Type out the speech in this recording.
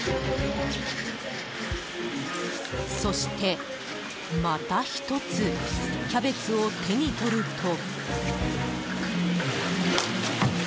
そして、また１つキャベツを手に取ると。